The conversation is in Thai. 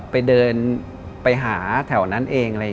ไปเดินไปหาแถวนั้นเอง